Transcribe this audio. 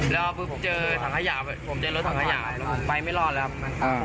แล้วปุ๊บเจอถังขยะผมเจอรถถังขยะแล้วผมไปไม่รอดแล้วครับ